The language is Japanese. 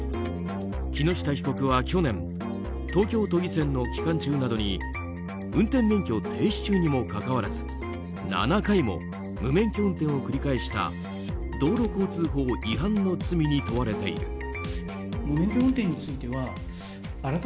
木下被告は去年東京都議選の期間中などに運転免許停止中にもかかわらず７回も無免許運転を繰り返した道路交通法違反の罪に問われている。